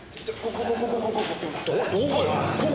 ここ！